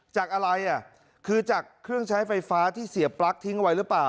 จากอะไรอ่ะคือจากเครื่องใช้ไฟฟ้าที่เสียปลั๊กทิ้งไว้หรือเปล่า